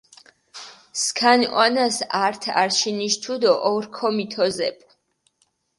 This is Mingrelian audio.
სქანი ჸვანას ართ არშინიში თუდო ორქო მითოზეპუ.